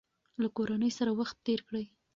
له کورنۍ سره وخت تېر کړئ.